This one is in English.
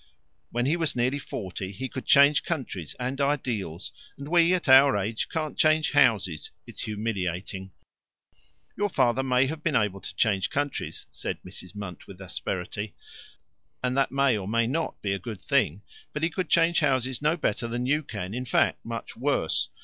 When he was nearly forty he could change countries and ideals and we, at our age, can't change houses. It's humiliating." "Your father may have been able to change countries," said Mrs. Munt with asperity, "and that may or may not be a good thing. But he could change houses no better than you can, in fact, much worse.